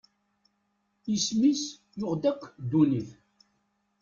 Isem-is yuɣ-d akk ddunit.